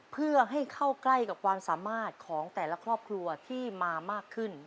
เพื่อให้เข้าใกล้กับความสามารถของแต่ละครอบครัวที่มามากขึ้น